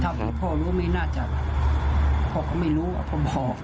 เท่าที่พ่อรู้ไม่น่าจะพ่อก็ไม่รู้ว่าพ่อบอก